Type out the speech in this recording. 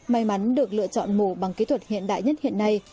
may mắn được lựa chọn mổ bằng kỹ thuật hiện đại nhất hiện nay